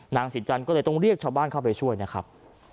นางศรีจันทร์ก็เลยต้องเรียกชาวบ้านเข้าไปช่วยนะครับ